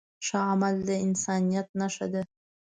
ښه عمل د انسانیت نښه ده.